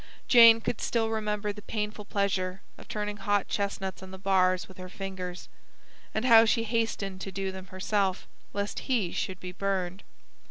Jane could still remember the painful pleasure of turning hot chestnuts on the bars with her fingers, and how she hastened to do them herself, lest he should be burned.